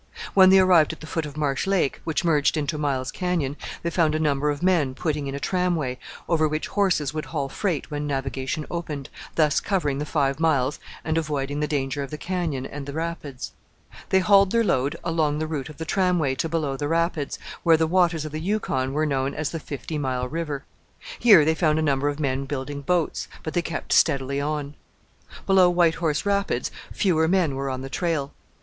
When they arrived at the foot of Marsh Lake, which merged into Miles Canyon, they found a number of men putting in a tramway, over which horses would haul freight when navigation opened, thus covering the five miles and avoiding the danger of the canyon and the rapids. They hauled their load along the route of the tramway to below the rapids, where the waters of the Yukon are known as the Fifty Mile River. Here they found a number of men building boats, but they kept steadily on. Below White Horse Rapids fewer men were on the trail.